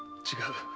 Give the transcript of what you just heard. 違う。